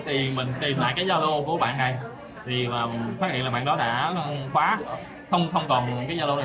thì mình tìm lại cái gia lô của bạn này thì phát hiện là bạn đó đã khóa không còn những cái gia lô này